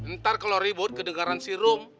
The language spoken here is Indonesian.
ntar kalau ribut kedengaran si rom